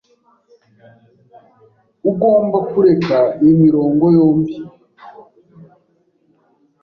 Ugomba kureka iyi mirongo yombi.